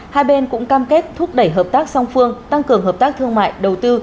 hai bên cũng cam kết thúc đẩy hợp tác song phương tăng cường hợp tác thương mại đầu tư